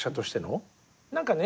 何かね